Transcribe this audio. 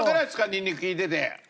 ニンニク利いてて。